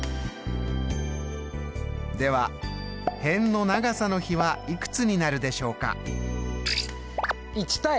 では辺の長さの比はいくつになるでしょうか？